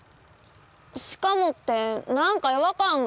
「しかも」って何か違和感がある。